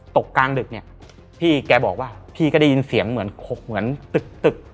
ตกกลางดึกเนี่ยพี่แก่บอกว่าพี่ก็ได้ยินเสียงเหมือนตึ๊ก